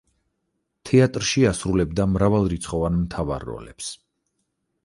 თეატრში ასრულებდა მრავალრიცხოვან მთავარ როლებს.